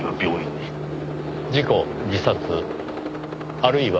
事故自殺あるいは。